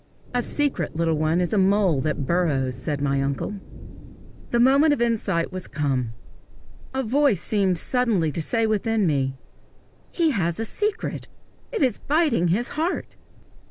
"A secret, little one, is a mole that burrows," said my uncle. The moment of insight was come. A voice seemed suddenly to say within me, "He has a secret; it is biting his heart!"